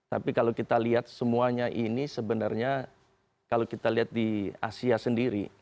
tapi kalau kita lihat semuanya ini sebenarnya kalau kita lihat di asia sendiri